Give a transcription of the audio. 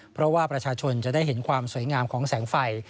เพราะว่าประชาชนจะได้เห็นความสวยงามของแสงไฟ